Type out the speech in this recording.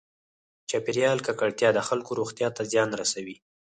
چاپېریال ککړتیا د خلکو روغتیا ته زیان رسوي.